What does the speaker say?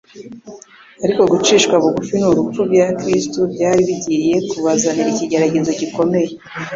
Ariko gucishwa bugufi n'urupfu bya Kristo byari bigiye kubazanira ikigeragezo gikomeye